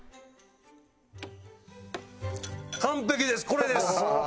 これです！